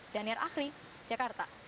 daniel ahri jakarta